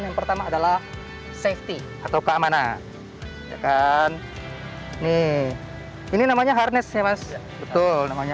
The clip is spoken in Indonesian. yang pertama adalah safety atau keamanan ya kan nih ini namanya harness ya mas betul namanya